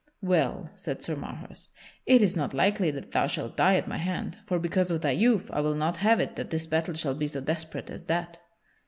"Well," said Sir Marhaus, "it is not likely that thou shalt die at my hand. For because of thy youth I will not have it that this battle shall be so desperate as that."